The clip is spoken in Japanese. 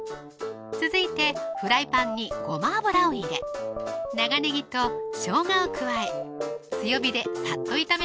続いてフライパンにごま油を入れ長ねぎとしょうがを加え強火でサッと炒めます